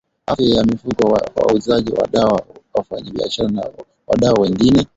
afya ya mifugo wauzaji wa dawa wafanyabiashara na wadau wengine